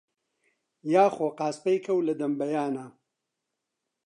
یا خۆ قاسپەی کەو لەدەم بەیانا